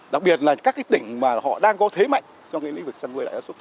đặc biệt là các tỉnh mà họ đang có thế mạnh trong lĩnh vực chăn nuôi gia súc